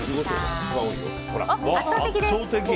圧倒的です。